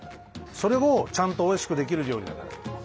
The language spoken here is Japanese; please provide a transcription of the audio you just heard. それをちゃんとおいしくできる料理だから。